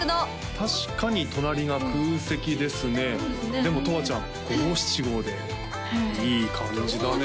確かに隣が空席ですねでもとわちゃん五七五でいい感じだね